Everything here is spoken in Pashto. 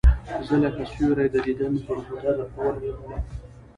زه لکه سیوری د دیدن پر گودر ولوېدلم